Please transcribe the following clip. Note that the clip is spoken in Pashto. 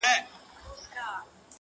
وي دردونه په سيــــنـــــوكـــــــــي”